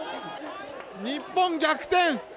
日本、逆転。